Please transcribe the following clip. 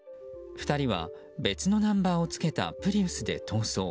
２人は別のナンバーを付けたプリウスで逃走。